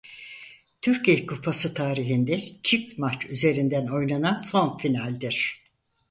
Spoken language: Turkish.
Türkiye Kupası tarihinde çift maç üzerinden oynanan son finaldir.